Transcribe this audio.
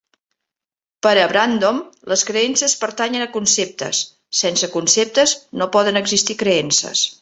Per a Brandom, les creences pertanyen a conceptes: sense conceptes no poden existir creences.